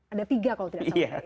ada tiga kalau tidak salah